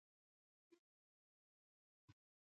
د سهار ناشته مهمه ده